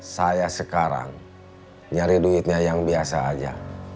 saya sekarang nyari duitnya yang biasa aja